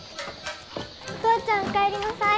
お父ちゃんお帰りなさい！